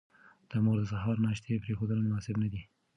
د مور د سهار ناشتې پرېښودل مناسب نه دي.